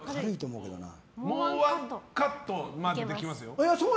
もうワンカットまでできますよ。